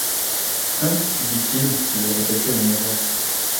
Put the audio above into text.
Hein! dit-il, si j’avais cassé le miroir !